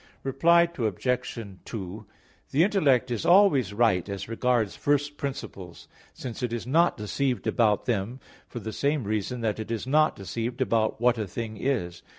Reply Obj. 2: The intellect is always right as regards first principles; since it is not deceived about them for the same reason that it is not deceived about what a thing is.